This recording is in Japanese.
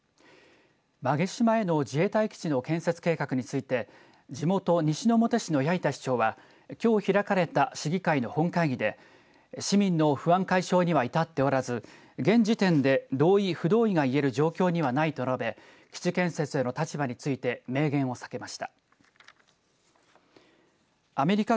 馬毛島への自衛隊基地の建設計画について地元、西之表市の八板市長はきょう開かれた市議会の本会議で市民の不安解消には至っておらず現時点で同意、不同意がいえる状況にはないと述べ基地建設への立場について明言を避けました。